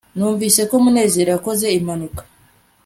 numvise ko munezero yakoze impanuka